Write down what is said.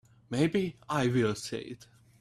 Maybe I will say it.